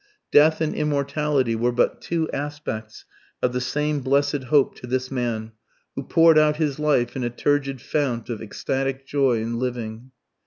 Death and immortality were but two aspects of the same blessed hope to this man, who poured out his life in a turgid fount of ecstatic joy in living